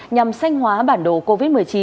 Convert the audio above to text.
nhằm sanh hóa bản đồ covid một mươi chín